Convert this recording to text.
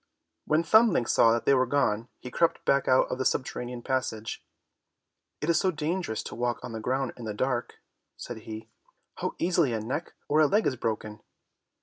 When Thumbling saw that they were gone, he crept back out of the subterranean passage. "It is so dangerous to walk on the ground in the dark," said he; "how easily a neck or a leg is broken!"